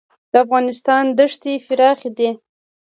د افغانستان دښتې پراخې دي